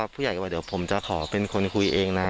ผู้ใหญ่ก็บอกเดี๋ยวผมจะขอเป็นคนคุยเองนะ